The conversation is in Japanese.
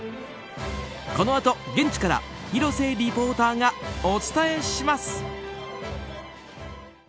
このあと現地から広瀬リポーターがお伝えします。